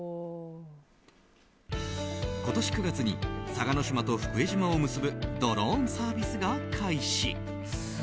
今年９月に嵯峨島と福江島を結ぶドローンサービスが開始。